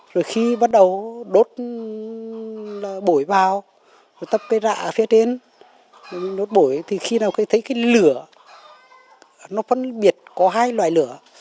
rồi khi bắt đầu đốt bổi vào tập cái rạ phía trên đốt bổi thì khi nào thấy cái lửa nó phân biệt có hai loại lửa